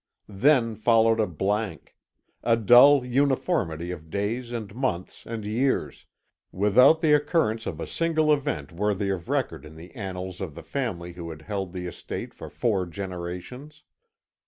Then followed a blank a dull uniformity of days and months and years, without the occurrence of a single event worthy of record in the annals of the family who had held the estate for four generations.